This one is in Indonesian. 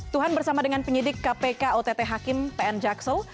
tuhan bersama dengan penyidik kpk ott hakim pn jaksel